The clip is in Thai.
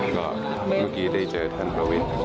ก็เมื่อกี้ได้เจอธรรมวิทย์